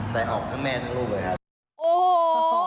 แต่ออกทั้งแม่ทั้งลูกเลยครับ